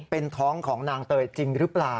เป็นท้องของนางเตยจริงหรือเปล่า